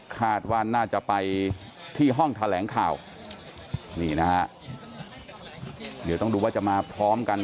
คาดว่าน่าจะไปที่ห้องแถลงข่าวนี่นะฮะเดี๋ยวต้องดูว่าจะมาพร้อมกัน